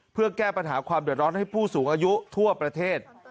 เพื่อแก้ปัญหาความเดือดร้อนให้ผู้สูงอายุทั่วประเทศ